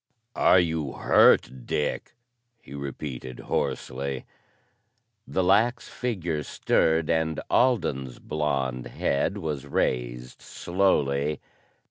"Are you hurt, Dick?" he repeated hoarsely. The lax figure stirred and Alden's blonde head was raised slowly.